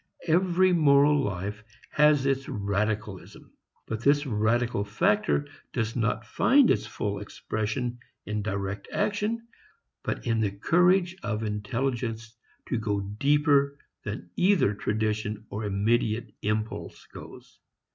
Every moral life has its radicalism; but this radical factor does not find its full expression in direct action but in the courage of intelligence to go deeper than either tradition or immediate impulse goes.